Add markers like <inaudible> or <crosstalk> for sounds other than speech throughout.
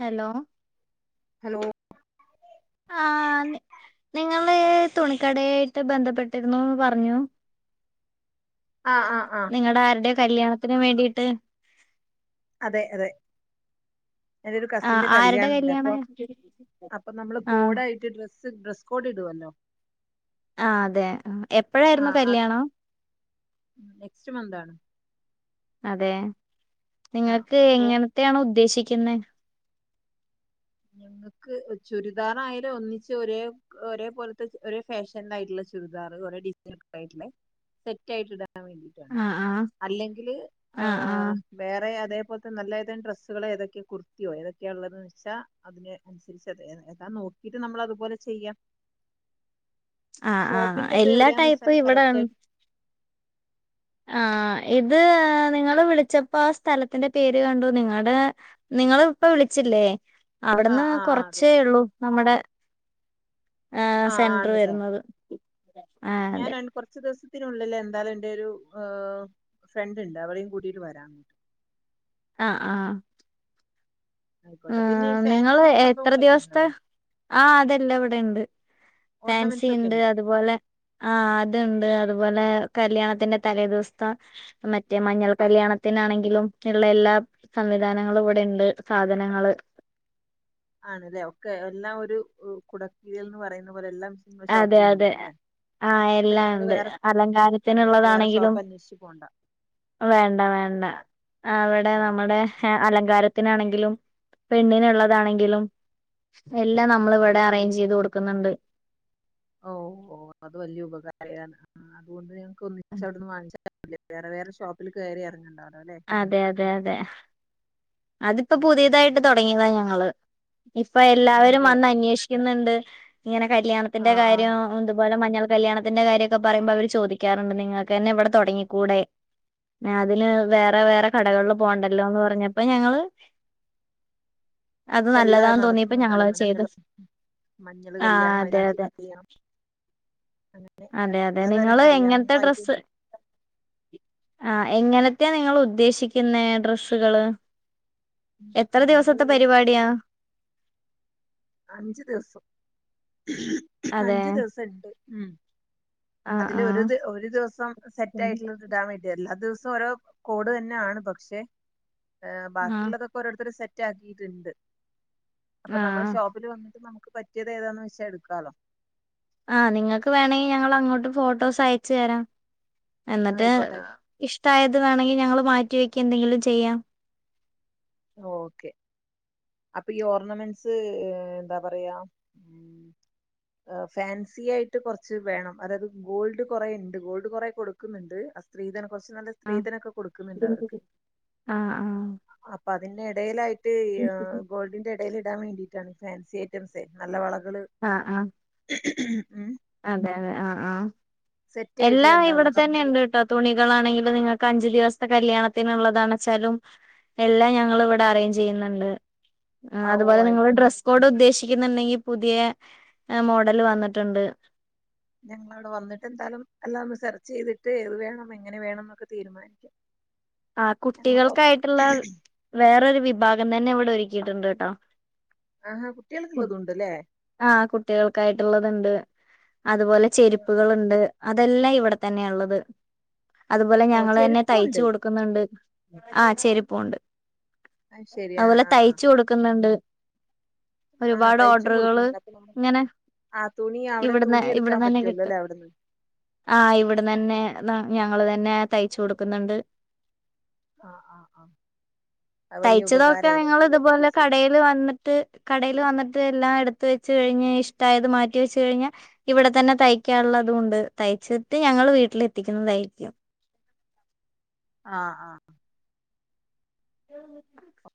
Hello hello ആഹ് നി നിങ്ങള് തുണിക്കടയായിട്ട് ബന്ധപ്പെട്ടിരുന്നുന്ന് പറഞ്ഞു, ആഹ് ആഹ് ആഹ് നിങ്ങടെ ആരുടെയോ കല്യാണത്തിന് വേണ്ടിയിട്ട് അതെ അതെ എന്റെ ഒരു ആഹ് കസിന്റെ ആരുടെ കല്യാണം ഉണ്ട്. കല്യാണ അപ്പൊ, അപ്പൊ നമ്മള് ആഹ് കോടായിട്ട് ഡ്രസ്സ് സ്സ് ഡ്രസ്സ് കോട് ഇടുവല്ലോ ആഹ് അതെ. എപ്പഴായിരുന്നു ആഹ് കല്യാണം? നെക്സ്റ്റ് മന്ത് ആണ്. അതെ. ആഹ് നിങ്ങക്ക് അപ്പോ എങ്ങനെത്തെയാണ് ഉദ്ദേശിക്കുന്നേ? ഞങ്ങക്ക് ചുരിദാർ ആയാലും ഒന്നിച്ച് ഒരേ ഒരേ പോലത്തെ, ഒരേ ഫാഷൻ ആയിട്ടുള്ള ചുരിദാർ, ഒരേ ഡിസൈന് ആയിട്ടുള്ളെ സെറ്റ് ആയിട്ട് ഇടാൻ വേണ്ടിയിട്ടാണ്. ആഹ് ആഹ് അല്ലെങ്കില് ആ ആഹ് ആഹ് വേറേ അതേപോലത്തെ നല്ല ഏതെങ്കിലും ഡ്രസ്സുകൾ, ഏതൊക്കെ കുർത്തിയോ, ഏതൊക്കെയാ ഉള്ളതെന്ന് വെച്ചാ അതിന് അനുസരിച്ചല്ലേ ഏതാ നോക്കീട്ട് നമ്മൾ അതുപോലെ ചെയ്യാം. ആഹ് ആഹ് ഷോപ്പിന്റെ ഇത് എല്ലാ എവിടെയാന്ന് ടൈപ്പും വെച്ചാൽ ഇവിടെ കറക്റ്റ് ആഹ്, ഇത് നിങ്ങൾ വിളിച്ചപ്പോ ആ സ്ഥലത്തിന്റെ പേര് കണ്ടു. നിങ്ങളടെ നിങ്ങള് ഇപ്പം വിളിച്ചില്ലേ, അവിടുന്ന് ആഹ് ആഹ് ആഹ് അതെ കൊറച്ചേ ഒള്ളൂ നമ്മടെ ആഹ് ആണുല്ലേ. ആ അതെ ഞാന് അന് കൊർച്ച് ദിവസം ത്തിനുള്ളിൽ എന്താലും എൻ്റെ ഒരു ഫ്രണ്ട് ഉണ്ട്, അവളേയും കൂട്ടീട്ട് വരാം. ആഹ് ആഹ് ആ, ആയിക്കോട്ടെ പിന്നെ ഈ നിങ്ങൾ ഫാൻസി എത്ര സംഭവങ്ങളൊക്കെ ഉണ്ടോ ദിവസത്തെ, അവിടെ ആ അതെല്ലാം ഇവിടെ ഉണ്ട്. ഫാൻസി ഓർണമെന്റ്സ് ഒക്കെ ഉണ്ട്. അതുപോലെ ആ, അതുണ്ട്. അതുപോലെ കല്യാണത്തിന്റെ തലേ ദിവസം മറ്റേ മഞ്ഞൾ കല്യാണത്തിനാണെങ്കിലും ഉള്ള എല്ലാ സംവിധാനങ്ങളും ഇവിടെ ഉണ്ട്. സാധന സാധനങ്ങൾ. ആണല്ലേ. ഒക്കെ എല്ലാം ഒരു കുടക്കീഴി ൽന്ന് പറയുന്ന പോലെ, എല്ലാം നിങ്ങളെ അതെ അതെ ഷോപ്പിലുണ്ട്ല്ലെ. ആ. എല്ലാം ഉണ്ട്. ഞങ്ങള് വേറെ അലങ്കാരത്തിനുള്ളതാണെങ്കിലും. ഷോപ്പ് അന്വേഷിച്ച് പോണ്ട വേണ്ട വേണ്ട അവിടെ ആഹ് നമ്മുടെ അലങ്കാരത്തിനാണെങ്കിലും, പെണ്ണിനുള്ളതാണെങ്കിലും എല്ലാം നമ്മൾ ഇവിടെ അറേഞ്ച് ചെയ്ത് കൊടുക്കുന്നുണ്ട്. ഓ, ഓ അത് വലിയ ഉപകാരമാണ്. അതുകൊണ്ട് ഞങ്ങക്ക് ഒന്നിച്ച് അവിടുന്ന് വാങ്ങിച്ചാ മതിയല്ലോ. വേറെ വേറെ ഷോപ്പിൽ കയറി ഇറങ്ങണ്ടാലോ, അല്ലേ. അതെ, അതെ, അതെ. അതിപ്പോ പുതിയതായിട്ട് തുടങ്ങിയതാ ഞങ്ങള്, ഇപ്പൊ എല്ലാവരും ആണല്ലേ വന്ന് അന്വേഷിക്കു ന്നുണ്ട്. ഇങ്ങനെ കല്യാണത്തിന്റെ ആഹ് ആഹ് കാര്യം അതുപോലെ മഞ്ഞൾ കല്യാണത്തിന്റെ കാര്യൊക്കെ പറയുമ്പോ അവര് ചോദിക്കാറുണ്ട്, നിങ്ങൾക്ക് തന്നെ ഇവിടെ തുടങ്ങിക്കൂടെ അതിന് വേറെ പിന്നെ വേറെ കടകളിൽ പോകണ്ടല്ലോന്ന് പറഞ്ഞപ്പോ ഞങ്ങള് അത് ഇപ്പ എല്ലാം നല്ലതാന്ന് തോന്നിയപ്പോ ഞങ്ങളത് ചെയ്തു. മഞ്ഞൾ ആ കല്യാണം, അതെ മൈലാഞ്ചി അതെ കല്യാണം. അതെ, അതെ പലതരം നിങ്ങള് എങ്ങനത്തെ കല്യാണങ്ങളായിട്ട് ഡ്രസ്സ് ആ, എങ്ങനത്തെയാ നിങ്ങൾ ഉദ്ദേശിക്കുന്നത് ഡ്രസ്സുകള് എത്ര നമ്മള് ദിവസത്തെ പരിപാടിയാ? അഞ്ചു ദിവസം. അതെ അഞ്ചു ദിവസം ഉണ്ട്. ഉം. ആ അതില് ആ ഒരു, ഒരു ദിവസം സെറ്റ് ആയിട്ടുള്ള ഇടാൻ വേണ്ടി വരില്ല. എല്ലാ ദിവസം ഓരോ കോട് തന്നെയ ആണ്. പക്ഷെ, ആ ബാക്കിയുള്ളതൊ രോരുത്തര് സെറ്റ് ആക്കിയിട്ടുണ്ട്. അപ്പോ നമ്മൾ ആ ഷോപ്പിൽ വന്നിട്ട് പറ്റിയത് ഏതാന്ന് വെച്ചാൽ എടുക്കാലോ. ആ, നിങ്ങൾക്ക് വേണമെങ്കിൽ ഞങ്ങൾ അങ്ങോട്ട് ഫോട്ടോസ് അയച്ചു തരാം. എന്നിട്ട് ആയിക്കോട്ടെ ഇഷ്ടായത് വേണമെങ്കിൽ ഞങ്ങൾ മാറ്റിവെക്കുക. എന്തെങ്കിലും ചെയ്യാം. ഓക്കെ. അപ്പോ ഈ ഓർണമെന്റ്സ്. എന്താ പറയാ <inaudible> ഫാൻസി ആയിട്ട് കുറച്ച് വേണം. അതായത്, ഗോൾഡ് കുറെ ഉണ്ട്. ഗോൾഡ് കുറെ കൊടുക്കുന്നുണ്ട്. ഹസ് സ്ത്രീധനം കുറച്ച് നല്ല ആഹ് സ്ത്രീധനൊക്കെ, കൊടുക്കുന്നുണ്ട്. അവർക്ക് ആഹ് അപ്പ അതിന്റെ ഇടെലായിറ്റ് യ് ഗോൾഡിന്റെ എടെല് ഇടാൻ വേണ്ടിയിട്ട ണ്. ഫാൻസി ഐറ്റംസെ, നല്ല വളകള് ആ, ആ. ഉം <unintelligible> അതെ, അതെ, ആ ആ. സെറ്റ് ആയിട്ടുള്ള എല്ലാം ഇവിട ഉണ്ടാവല്ലോ കമ്മല് തന്നെണ്ട്ട്ടോ. തുണികളാണെങ്കിലും, നിങ്ങൾക്ക് അഞ്ചു ദിവസത്തെ കല്യാണത്തിനുള്ളതാണച്ചാലും. എല്ലാം, ഞങ്ങളിവിടെ അറേഞ്ച് ചെയ്യുന്നുണ്ട്. ആ, ഓ അതുപോലെ നിങ്ങൾ ആയിക്കോട്ടെ ഡ്രസ്സ് കോഡ് ഉദ്ദേശിക്കുന്നുണ്ടെങ്കി, പുതിയ മോഡല് വന്നിട്ടുണ്ട്. ഞങ്ങളവടെ വന്നിട്ട് ന്തായാലും എല്ലാം ഒന്ന് സെർച്ച് ചെയ്തിട്ട്, ഏത് വേണം എങ്ങനെ വേണന്നൊക്കെ തീരുമാനി <inaudible> ആഹ് കുട്ടികൾക്കായിട്ടുള്ള വേറൊരു വിഭാഗം തന്നെ ഇവിടെ ഒരുക്കീട്ടുണ്ട് കെട്ടോ. ആഹാ കുട്ടികൾക്കുള്ളതുണ്ട് ഇല്ലേ. ആഹ് കുട്ടികൾക്കായിട്ടുള്ളത് ഇണ്ട് അതുപോലെ ആ ചെരുപ്പുകള് ആ ഇണ്ട്. അതെല്ലാം ഇവിടെ തന്നെയാ ഉള്ളത് അതുപോലെ ഓ ഞങ്ങള് തന്നെയാ തയ്ച്ചു ചെരുപ്പുണ്ട് കൊടുക്ക് ക്കുന്നുണ്ട് ആഹ് ചെരിപ്പും ഒണ്ട് അത് ശരി അതെ ആ പോലെ തയ്ച്ച് കൊടുക്കുന്നുണ്ട്. ആഹ് ഒരുപാട് തയ്ച്ച് ഓർഡറുകള് കൊടുക്കുണ്ട് അപ്പൊ നമ്മള്, ഇങ്ങനെ - ആഹ് തുണി അവിടെ ഇവിടുന്ന് തുണി എടുക്കാൻ പറ്റുവല്ലോ അല്ലെ അവിടുന്ന്. ആഹ് ഇവിടുന്ന് തന്നെ ഞങ്ങള് തന്നെ തയ്ച്ചു കൊടുക്കുന്നുണ്ട്. ആഹ് ആഹ് ആഹ്. അത് വലിയ തയ്ച്ചതോക്കെ ഉപകാരമായി നിങ്ങള് നമുക്ക് വേണ്ട ഇതുപോലെ ഡിസൈൻ കടെ ഇത് വന്നിട്ട് കടെല് വന്നിട്ട് എല്ലാം എടുത്ത് വെച്ച് കഴിഞ് ഇഷ്ടായത് മാറ്റി വെച്ച് കഴിഞ്ഞാ ഇവിടെ തന്നെ തയ്ക്കാനുള്ളതും ഒണ്ട് തയ്ച്ചിട്ട് ഞങ്ങള് വീട്ടില് എത്തിക്കുന്നതായിരിക്കും. ആഹ് ആഹ്. <inaudible>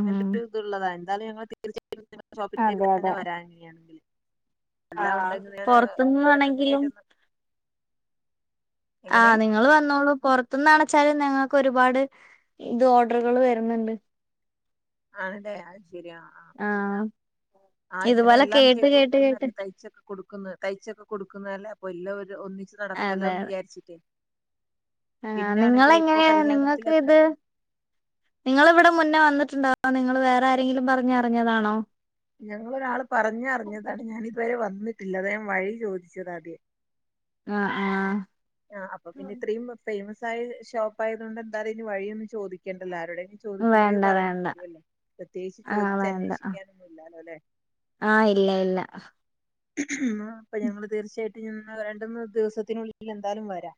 ഉം ഷോപ്പിലേക്ക് അതെ തന്നെ അതെ വരാൻ കഴിയാണെങ്കിൽ. ആ എല്ലാം ഉണ്ടെങ്കി ഞാന് എൻ്റെ ഫ്രൺസിനെ പുറത്തുനിന്നാണെങ്കിലും ആയിട്ടൊന്ന്- ആഹ് നിങ്ങള് വന്നോളൂ കൊ - ഇവിടുന്ന് അയച്ചാലും ഞങ്ങൾക്ക് ഒരുപാട് ഇത് ഓർഡറുകൾ വരുന്നുണ്ട്. ആണല്ലെ അയ് ശരിയാ ആഹ് ആഹ് ആഹ് ഇങ്ങനെ ഇതുപോലെ എല്ലാം കേട്ട് ചെയ്ത് കേട്ട് കേട്ട് കൊടുക്കുന്നല്ലോ തയ്ച്ചൊക്കെ- കൊടുക്കുന്ന തയ്ച്ചൊക്കെ കൊടുക്കുന്നല്ലേ അപ്പൊ എല്ലാം ഒരു ഒന്നിച്ച് അതെ നടക്കല്ലോന്ന് വിചാരിച്ചിട്ടേ ആഹ് പിന്നെ ആണെങ്കില് ഇപ്പൊ നിങ്ങളെങ്ങനെയാ. നിങ്ങക്ക് കല്യാണത്തിലത്ര ഇത് - നിങ്ങള് ഇവിടെ മുന്നേ വന്നിട്ടുണ്ടോ അതോ നിങ്ങള് വേറെ ആരെങ്കിലും, പറഞ്ഞറിഞ്ഞതാണോ ഞങ്ങള് ഒരാള് പറഞ്ഞ് അറിഞ്ഞതാണ്. ഞാൻ ഇതുവരെ വന്നിട്ടില്ല. അതാ ഞാൻ വഴി ചോദിച്ചത് ആദ്യം ആഹ് ആഹ്. ആഹ് അപ്പ പിന്നെ ഇത്രയും ഫൈമസായ ഷോപ്പായതു കൊണ്ട് എന്തായാലും ഇനി വഴിയൊന്നും ചോദിക്കേണ്ടല്ലോ, ആരോടെലും. ചോദിക്കുമ്പോഴേ വഴി വേണ്ട പറഞ്ഞു വേണ്ട തരുവല്ലേ. പ്രത്യേകിച്ച് ആഹ് ചോദിച്ച് വേണ്ട അന്വേഷിക്കാനൊന്നും ഇല്ലാലോ ഇല്ലേ. ആഹ് ഇല്ല ഇല്ല. എന്നാ അപ്പ ഞങ്ങള് തീർച്ചയായിട്ടും എന്നാ രണ്ട് മൂന്ന് ദിവസത്തിനുള്ളിൽ എന്തായാലും വരാം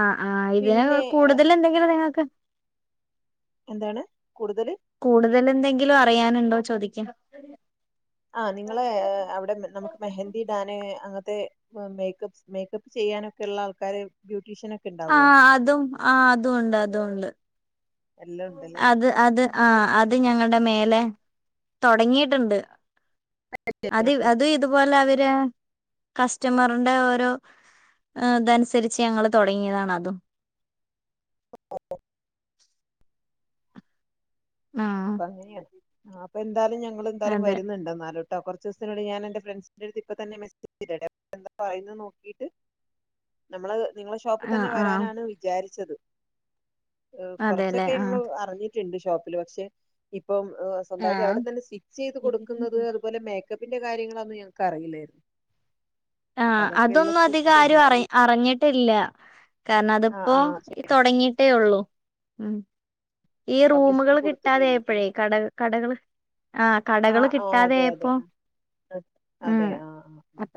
ആഹ്, ആഹ്, ഇതിന് പിന്നെ ഏഹ്, കൂടുതല് എന്തെങ്കിലും നിങ്ങക്ക്- എന്താണ് കൂടുതല്- കൂടുതല് എന്തെങ്കിലും അറിയാനുണ്ടോന്ന് ചോദിക്കാ. ആഹ് നിങ്ങള് അവിടെ നമുക്ക് മെഹെന്ദി ഇടാന് അന്നത്തെ- ഇപ്പം മേക്കപ്പ്സ് മേക്കപ്പ് ചെയ്യാനൊക്കെയുള്ള ആൾക്കാര് ബ്യൂട്ടീഷ്യനൊ ആഹ് അതും ആഹ് അതും ഒണ്ട് അതും ഒണ്ട് എല്ലാം ഒണ്ട് ഇല്ലേ അത് ആഹ് അത് ഞങ്ങടെ മേലെ തൊടങ്ങിട്ടുണ്ട് <unintelligible> അത് അത് ഇതുപോലെ അവര് കസ്റ്റമറിന്റെ ഓരോ- അത് അനുസരിച്ച് ഞങ്ങള് തൊടങ്ങിയതാണ് അതും ആഹ് അപ്പ അങ്ങനെയാണ് അപ്പൊ എന്തായാലും ഞങ്ങള് എന്തായാലും അതെ വരുന്നുണ്ട് എന്നാലും- ട്ടോ കൊറച്ച് ദെവസത്തിനുള്ളി ഞാന് എന്റെ ഫ്രണ്ട്സിന്റെടുത്ത് ഇപ്പൊത്തന്നെ മെസെജ് ഇടട്ടെ എന്താ പറയുന്നേ നോക്കിട്ട്- <inaudible> നമ്മള് നിങ്ങളെ ഷോപ്പ് ആഹ് തന്നെ ആഹ് വരാനാണ് വിചാരിച്ചത് ഇഹ് അതെല്ലേ കൊറച്ചൊക്കെ ഞങ്ങള് ആഹ് അറിഞ്ഞിട്ടിണ്ട് ഷോപ്പില് പക്ഷെ ഇപ്പം ഈഹ് സ്വന്തായിട്ട് ആഹ് അവിടെതന്നെ സ്റ്റിച്ച് ചെയ്തു കൊടുക്കുന്നത് അതുപോലെ മേക്കപ്പിന്റെ കാര്യങ്ങളൊന്നും ഞങ്ങൾക്ക് അറിയില്ലായിരുന്നു അപ്പൊ ആഹ് അതൊക്കെയുള്ള അതൊന്നും സ്ഥിതിക്ക് അധികാരും ആഹ് എന്തായാലും അറിഞ്ഞിട്ടില്ല കാരണം ആ അതിപ്പോ ആ തുടങ്ങിട്ടേ ഉള്ളൂ ഹുമ് ഈ റൂമുകൾ പബ്ലിസിറ്റി കൊടുത്തിട്ടേള്ളൂല്ലേ കിട്ടാതായപ്പഴേ കട കടകൾ ആഹ് ആ കടകള് ആ അതെ അതെ കിട്ടാതായപ്പോ ആ, ഹ് അതെ മ് ആ ആ അപ്പ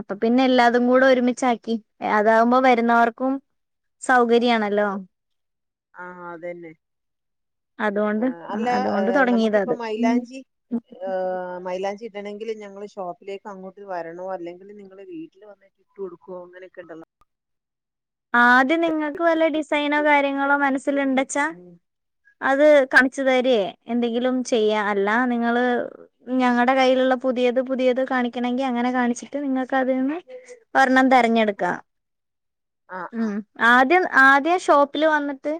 അപ്പൊ പിന്നെ എല്ലാതും കൂടെ ഒരുമിച്ചാക്കി അതാകുമ്പോ വരുന്നവർക്കും സൗകര്യാണല്ലോ ആഹ് അതന്നെ അതുകൊണ്ട് ആഹ് അല്ല അതുകൊണ്ട് തുടങ്ങിയതാ നമുക്കിപ്പൊ അത്. ഉം. മൈലാഞ്ചി ഈഹ് മൈലാഞ്ചി ഇ വേണെങ്കിൽ ഞങ്ങൾ ഷോപ്പിലേക്ക് അങ്ങോട്ട് വരണോ അല്ലെങ്കിൽ നിങ്ങള് വീട്ടില് വന്നിട്ട് കൊടുക്കോ അങ്ങനൊക്കെ ഉണ്ടല്ലോ ആദ്യം നിങ്ങക്ക് വല്ല ഡിസൈനോ ഉണ്ടല്ലോ കാര്യങ്ങളോ മനസ്സില്ണ്ടച്ചാ അത് കാണിച്ചു തരേ എന്തെങ്കിലും ചെയ്യ അല്ല നിങ്ങള് ഞങ്ങടെ കൈയിലുള്ള പുതിയത് പുതിയത് കാണിക്കണങ്കി അങ്ങനെ കാണിച്ചിട്ട് നിങ്ങക്ക് അതിൽന്ന് ഒരെണ്ണം തിരഞ്ഞെടുക്കാ ആഹ് ഹ് ആഹ് മ് ആദ്യം ആദ്യം ഷോപ്പില് വന്നിട്ട്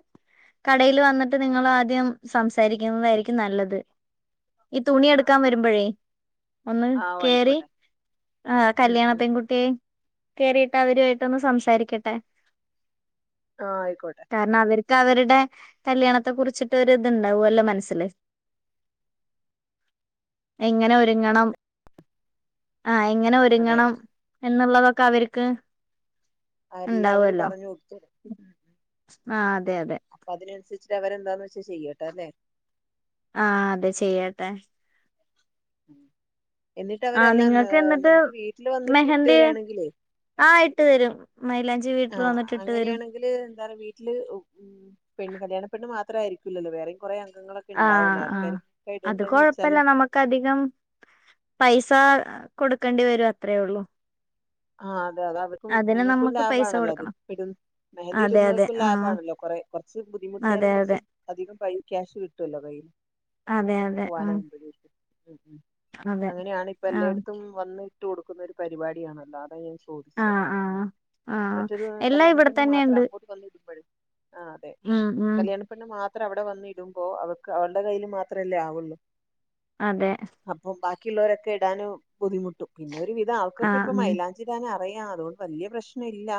കടേൽ വന്നിട്ട് നിങ്ങൾ ആദ്യം സംസാരിക്കുന്നതായിരിക്കും നല്ലത് ഈ തുണി ആഹ് എടുക്കാൻ ആഹ് വരുമ്പഴേ ഒന്ന് ആഹ് കേറി ആയിക്കോട്ടെ ആഹ് ഉം കല്യാണ ഉം പെൺകുട്ടിയേം കേറിയിട്ട് അവരൊയിട്ടൊന്ന് സംസാരിക്കട്ടെ ആഹ് ആയിക്കോട്ടെ കാരണം അവർക്ക് അവര്ടെ കല്യാണത്തെ കുറിച്ചിട്ട് ഒരു ഇതുണ്ടാവല്ലോ മനസ്സില് എങ്ങനെ ഒരുങ്ങണം ആഹ് എങ്ങനെ അതെ ഒരുങ്ങണം എന്നുള്ളതൊക്കെ അവർക്ക് അല്ല അവര് ഉണ്ടാവുമല്ലോ പറഞ്ഞതൊട്ടും ആഹ് അതെ അതെ അതിനനുസരിച്ച് അവരെന്താന്ന്ച്ചാ ചെയ്യട്ടെ അല്ലേ ആഹ് അതെ ചെയ്യട്ടെ ആഹ് എന്നിട്ടവരെല്ലാം നോ നിങ്ങൾക്ക് എന്നിട്ട് നമുക്ക് വീട്ടിൽ വന്നിട്ട് ഇട്ട് മെഹന്തി തരാണെങ്കിലെയ് ആഹ് ഇട്ട് തരും മൈലാഞ്ചി വീട്ടിൽ വന്നിട്ട് ഇട്ട് തരും ഇതില് എന്താണ് വീട്ടില് ഉം പെണ്ണ് കല്യാണപെണ്ണ് മാത്രം ആയിരിക്കില്ലല്ലോ വേറെയും കൊറെ അംഗങ്ങളൊ ആഹ് ആഹ് അത് കൊഴപ്പല്ല നമുക്ക് അധികം പൈസ കൊടുക്കണ്ടി വരും അത്രേ ഒള്ളൂ ആഹ് അതെ അതെ അത്ക്കും നിങ്ങൾക്കും നമുക്ക് പൈസ ലാഭാണല്ലോ അത് കൊടുക്കണം ഇട് മെഹന്തി അതെ അതെ ഇടുന്നോർക്കും ആഹ് ലാഭാണല്ലോ കുറേ കുറച്ച് അതെ ബുദ്ധിമുട്ടിയാലും അതെ കുറച്ച് അധികം പൈ ക്യാഷ് കിട്ടുവല്ലോ കയ്യില് അതെ അതെ പോവാന് <unintelligible> ഉം ഹ് മ് ഹ്മ്മ് അതെ അങ്ങനെയാണ് ഇപ്പൊ ആഹ് എല്ലായിടത്തും വന്ന് ഇട്ട് കൊടുക്കുന്ന ഒരു പരിപാടിയാണല്ലോ അതാ ഞാൻ ചോദിച്ചേ ആഹ് ആഹ് ആഹ് മറ്റൊരു എല്ലാം ഇവിടെ കല്യാണപ്പെണ്ണ് മാത്രം തന്നെയുണ്ട് അങ്ങോട്ട് വന്ന് ഇടുമ്പോഴേ ആഹ് അതെ ഉം ഉം കല്യാണ പെണ്ണ് മാത്രം അവിടെ വന്ന് ഇടുമ്പോ അവർക്ക് അവടെ കയ്യിൽ മാത്രല്ലേ ആവൊള്ളൂ അതെ അപ്പൊ ബാക്കിയുള്ളോരൊക്കെ ഇടാൻ ബുദ്ധിമുട്ടും പിന്നെ ഒരു വിധം ആർക്കൊക്കെ ആഹ് ഉം <unintelligible> അറിയാം അതോണ്ട് വല്ല്യ പ്രശ്ന ഇല്ല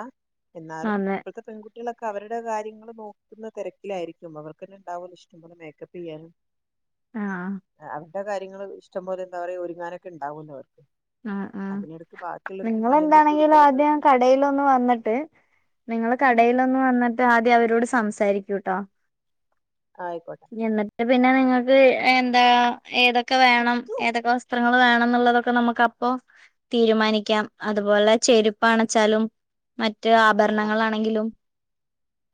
എന്നാലും അതെ ഇപ്പോഴത്തെ പെൺകു. കുട്ടികളൊക്കെ അവരുടെ കാര്യങ്ങൾ നോക്കുന്ന തെരക്കിലായിരിക്കും അവർക്കന്നെ ഉണ്ടാവല്ലോ ഇഷ്ട. ടമ്പോലെ മേക്കപ്പെയ്യാനും. ആഹ് അവരുടെ കാര്യങ്ങള് ഇഷ്ടം പോലെ എന്താ പറയാ ഒരുങ്ങാനൊക്കെ ഉണ്ടാവല്ലോ അവർക്ക് അതിനെടുക്ക് ബാ. നിങ്ങെന്താണെങ്കിലും ആദ്യം കടയിലൊന്ന് വന്നിട്ട് നിങ്ങൾ കടയിൽ ഒ. ന്ന് വന്നിട്ട് ആദ്യം അവരോട് സംസാരിക്കൂട്ടോ ആയിക്കോട്ടെ എന്നിട്ട് പിന്നെ നിങ്ങക്ക് എന്താ ഏതൊക്കെ വേണം അതു ഏതൊക്കെ വസ് സ്ത്രങ്ങൾ വേണംന്നുള്ളതൊക്കെ നമുക്ക് അ പ്പൊ തീരുമാനിക്കാം അതുപോലെ ചെരുപ്പാണച്ചാലും മറ്റ് ആ ആഭരണങ്ങളാ ണെങ്കിലും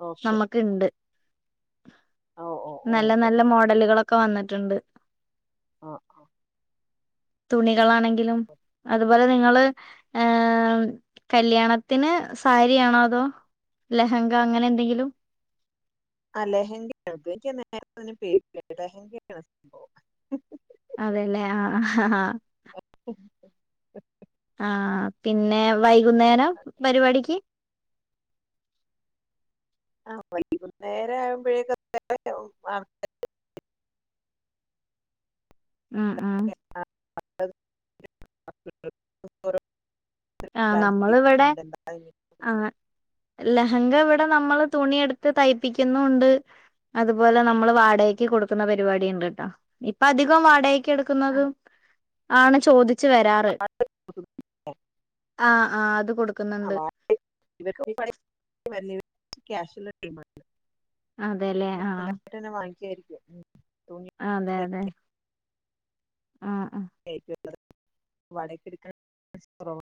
ഓക്കെ നമ്മക്ക്ണ്ട് ഓ ഓ ഓ നല്ല നല്ല ആയിക്കോട്ടെ മോഡലുകളൊക്കെ വന്നിട്ടുണ്ട് ആ തുണികളാണെങ്കിലും അതുപോലെ നിങ്ങള് ഏഹ് കല്യാണത്തിന് സാരിയാണോ അതോ. ലെഹങ്ക അങ്ങനെ എന്തെങ്കിലും ആഹ് ലഹങ്കണ <inaudible> ലഹങ്കാണ് സംഭവം. അതെല്ലേ ആഹ് ആഹ്. <inaudible> ആ ആ പിന്നെ വൈകുന്നേരം പരിപാടിക്ക് ആഹ് വൈകുന്നേര ആവുമ്പോഴേക്ക് <inaudible> ആഹ് ആഹ്. <unintelligible> ആഹ് നമ്മളിവിടെ <unintelligible> ആഹ് ലഹങ്ക വിടെ നമ്മള് തുണി എടുത്ത് തയ്പ്പിക്കുന്നുണ്ട്. അതുപോലെ നമ്മള് വാടകക്ക് കൊടുക്കുന്ന പരിപാടി ഉണ്ട്ട്ടാ ഇപ്പ അധികം വാടക. ക്ക് എടുക്കുന്നതും ആണ് ചോദിച്ചു വരാറ്. ആഹ് ആഹ് അത് കൊടു ആഹ് <unintelligible> ക്യാഷ്ള്ള ടീമാ. അതെല്ലേ ആഹ്. ങ്ങട്ടെനെ വാങ്ങിക്കായിരിക്കും. തുണി ആ അതെ അതെ ആഹ് ആഹ് <unintelligible> വടക്കെടുക്കാന പൈസ കൊറവാണ്